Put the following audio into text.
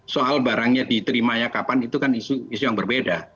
soal barangnya diterimanya kapan itu kan isu isu yang berbeda